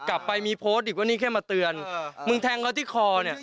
กลับไปมีโพสต์อีกว่านี่แค่มาเตือนมึงแทงเขาที่คอเนี่ย